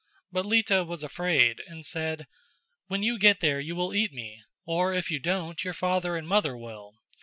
But Lita was afraid and said: "When you get me there you will eat me, or if you don't, your father and mother will."